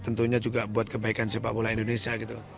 tentunya juga buat kebaikan sepak bola indonesia gitu